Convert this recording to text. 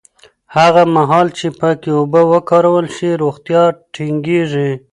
هغه مهال چې پاکې اوبه وکارول شي، روغتیا ټینګېږي.